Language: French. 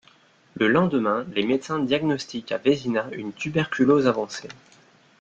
Le lendemain, les médecins diagnostiquent à Vézina une tuberculose avancée.